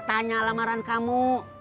tanya lamaran kamu